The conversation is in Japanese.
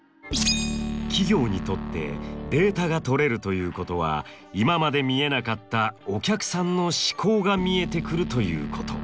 企業にとってデータが取れるということは今まで見えなかったお客さんの思考が見えてくるということ。